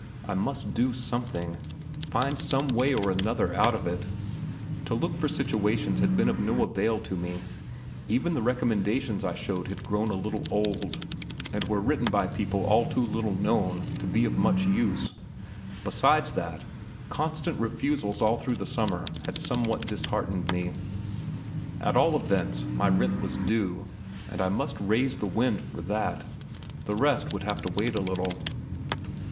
I must do something; find some way or another out of it. To look for situations had been of no avail to me. Even the recommendations I showed had grown a little old, and were written by people all too little known to be of much use; besides that, constant refusals all through the summer had somewhat disheartened me. At all events, my rent was due, and I must raise the wind for that; the rest would have to wait a little.